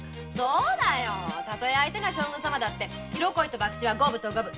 たとえ相手が将軍様でも色恋とバクチは五分と五分。